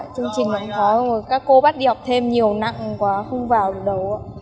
chương trình nó khó các cô bắt đi học thêm nhiều nặng quá không vào được đâu ạ